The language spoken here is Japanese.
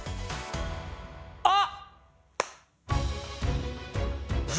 あっ！